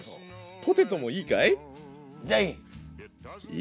ポテトもいいかい？